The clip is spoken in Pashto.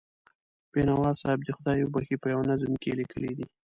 بینوا صاحب دې خدای وبښي، په یوه نظم کې یې لیکلي دي.